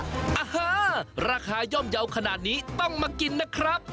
อาหารราคาย่อมเยาว์ขนาดนี้ต้องมากินนะครับ